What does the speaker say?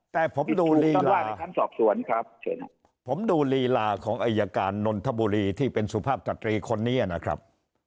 แต่ผมดูลีลาของอย่างการนทบุรีที่เป็นสภาพตัดลีคนนี้นะครับ